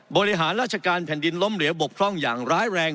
บริหารราชการแผ่นดินล้มเหลวบกพร่องอย่างร้ายแรง